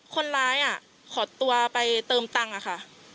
คนร้ายขอตัวไปเติมตังค์อะค่ะ